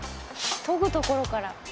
「研ぐところから」